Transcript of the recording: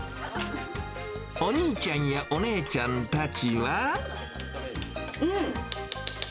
お兄ちゃんやお姉ちゃんたちうん！